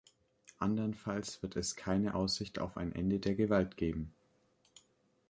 Andernfalls wird es keine Aussicht auf ein Ende der Gewalt geben.